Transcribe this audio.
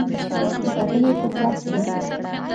د کتنې په ترڅ کې